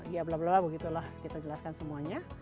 ya blablabla begitulah kita jelaskan semuanya